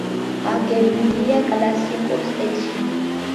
აგებულია კლასიკურ სტილში.